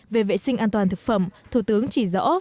về vệ sinh an toàn thực phẩm thủ tướng chỉ rõ